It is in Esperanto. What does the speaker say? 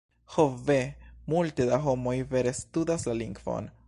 "Ho ve, multe da homoj vere studas la lingvon.